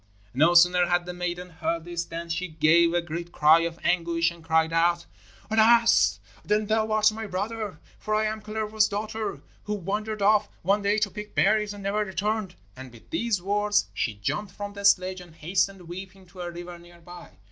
No sooner had the maiden heard this than she gave a great cry of anguish and cried out: 'Alas, then, thou art my brother! For I am Kalervo's daughter, who wandered off one day to pick berries and never returned,' and with these words she jumped from the sledge and hastened weeping to a river near by.